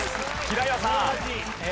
平岩さん。